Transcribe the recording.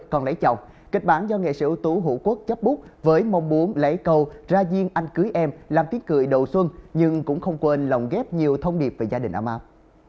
cách bản do nghệ sĩ ưu tú hữu quốc chấp bút với mong muốn lấy cầu ra giêng anh cưới em làm tiếng cười đầu xuân nhưng cũng không quên lòng ghép nhiều thông điệp về gia đình ấm ấm